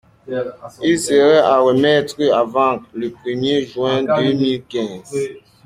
Il serait à remettre avant le premier juin deux mille quinze.